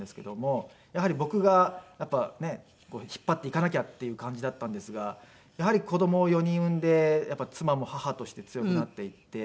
やはり僕がやっぱりねっ引っ張っていかなきゃっていう感じだったんですがやはり子供を４人産んで妻も母として強くなっていって。